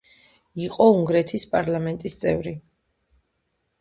იყო უნგრეთის პარლამენტის წევრი.